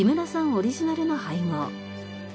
オリジナルの配合。